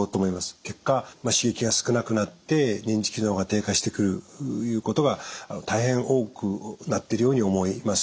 結果刺激が少なくなって認知機能が低下してくるいうことが大変多くなってるように思います。